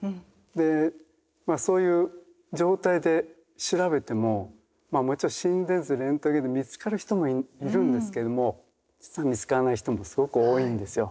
でまあそういう状態で調べてもまあもちろん心電図レントゲンで見つかる人もいるんですけども実は見つからない人もすごく多いんですよ。